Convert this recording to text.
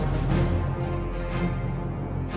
สวัสดีครับ